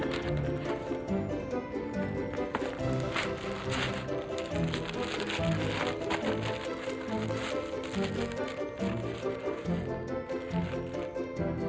artinya banyak pak